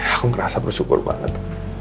aku ngerasa bersyukur banget